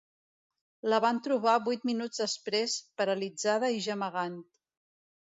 La van trobar vuit minuts després, paralitzada i gemegant.